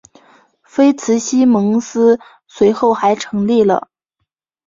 菲茨西蒙斯随后还成立了。